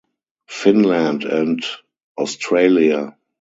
Finland and Australia.